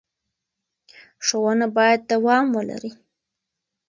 ښوونه باید دوام ولري.